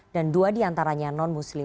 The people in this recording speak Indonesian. dan dua diantaranya non muslim